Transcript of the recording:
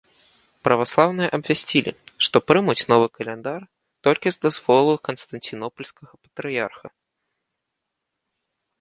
Праваслаўныя абвясцілі, што прымуць новы каляндар толькі з дазволу канстанцінопальскага патрыярха.